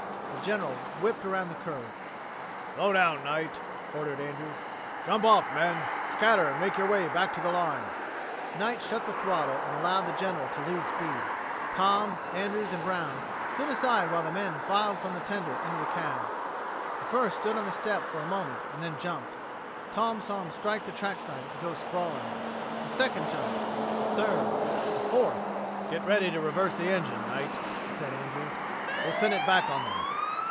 The General whipped around the curve. "Slow down, Knight!" ordered Andrews. "Jump off, men. Scatter and make your way back to the lines!" Knight shut the throttle and allowed the General to lose speed. Tom, Andrews, and Brown stood aside while the men filed from the tender into the cab. The first stood on the step for a moment, then jumped. Tom saw him strike the trackside and go sprawling. The second jumped ... the third ... the fourth.... "Get ready to reverse the engine, Knight," said Andrews. "We'll send it back on them."